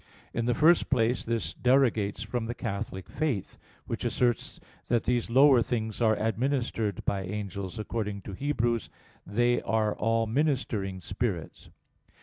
In the first place this derogates from the Catholic faith, which asserts that these lower things are administered by angels, according to Heb. 1:14: "They are all ministering spirits."